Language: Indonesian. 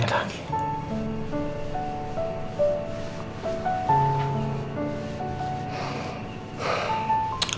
aku capek sendiri kan